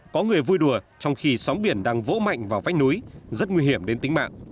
có người vui đùa trong khi sóng biển đang vỗ mạnh vào vách núi rất nguy hiểm đến tính mạng